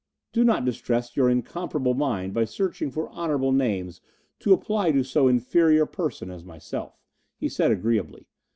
"Do not distress your incomparable mind by searching for honourable names to apply to so inferior a person as myself," he said agreeably.